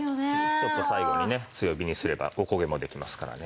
ちょっと最後にね強火にすればおこげもできますからね。